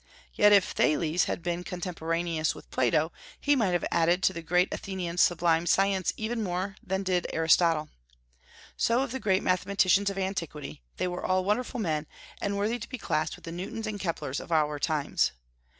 Yet if Thales had been contemporaneous with Plato, he might have added to the great Athenian's sublime science even more than did Aristotle. So of the great mathematicians of antiquity; they were all wonderful men, and worthy to be classed with the Newtons and Keplers of our times.